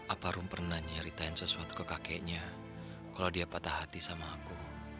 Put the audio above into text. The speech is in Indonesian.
apa rum pernah nyeri time sesuatu ke kakeknya kalau dia patah hati sama aku